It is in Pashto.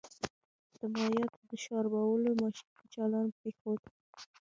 د مايعاتو د شاربلو ماشين يې چالان پرېښود.